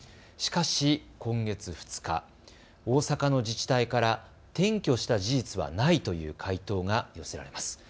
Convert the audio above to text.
しかし今月２日、大阪の自治体から転居した事実はないという回答が寄せられます。